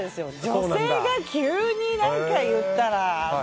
女性が急に何か言ったら。